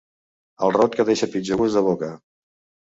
El rot que deixa pitjor gust de boca.